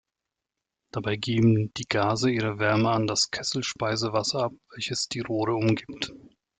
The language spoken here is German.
Dabei geben die Gase ihre Wärme an das Kesselspeisewasser ab, welches die Rohre umgibt.